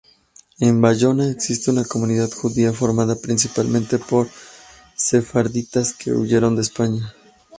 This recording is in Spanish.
En Bayona existe una comunidad judía formada principalmente por sefarditas que huyeron de España.